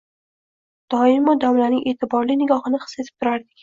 Doimo domlaning e’tiborli nigohini his etib turardik.